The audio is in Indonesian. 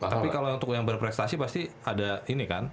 tapi kalau untuk yang berprestasi pasti ada ini kan